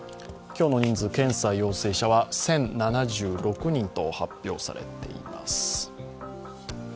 今日の人数、検査陽性者は１０７６人と発表されています。